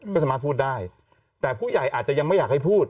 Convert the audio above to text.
ก็สามารถพูดได้แต่ผู้ใหญ่อาจจะยังไม่อยากให้พูด